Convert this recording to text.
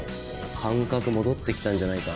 感覚戻ってきたんじゃないか？